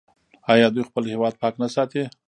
آیا دوی خپل هیواد پاک نه ساتي؟